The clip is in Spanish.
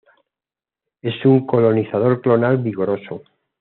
Es un colonizador clonal vigoroso.